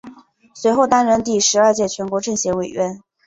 随后担任第十二届全国政协委员。